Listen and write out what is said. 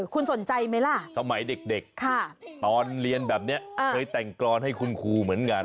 คุณสนใจไหมล่ะสมัยเด็กตอนเรียนแบบนี้เคยแต่งกรอนให้คุณครูเหมือนกัน